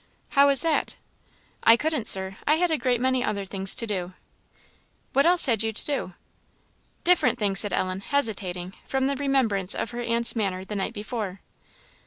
"How was that?" "I couldn't, Sir. I had a great many other things to do." "What else had you to do?" "Different things," said Ellen, hesitating, from the remembrance of her aunt's manner the night before.